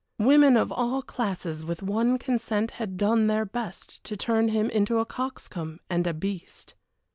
Women of all classes with one consent had done their best to turn him into a coxcomb and a beast.